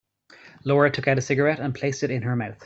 Laura took out a cigarette and placed it in her mouth.